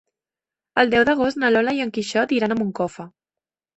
El deu d'agost na Lola i en Quixot iran a Moncofa.